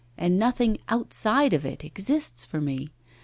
And nothing outside of it exists for me.